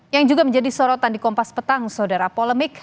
yang juga menjadi sorotan di kompas petang saudara polemik